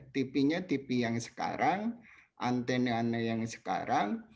tv nya tv yang sekarang antena yang sekarang